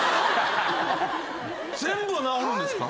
全部治るんですか？